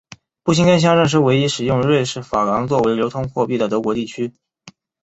布辛根乡镇是唯一的使用瑞士法郎作为流通货币的德国地区。